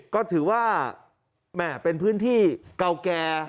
ก็ถือว่าแม่เป็นพื้นที่เก่าแก่